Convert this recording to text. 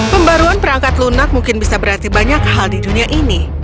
pembaruan perangkat lunak mungkin bisa berarti banyak hal di dunia ini